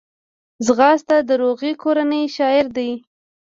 ځغاسته د روغې کورنۍ شعار دی